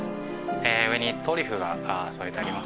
上にトリュフが添えてあります。